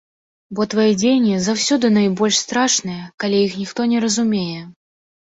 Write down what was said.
Бо твае дзеянні заўсёды найбольш страшныя, калі іх ніхто не разумее.